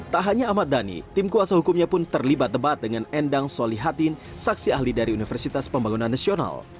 tak hanya ahmad dhani tim kuasa hukumnya pun terlibat debat dengan endang solihatin saksi ahli dari universitas pembangunan nasional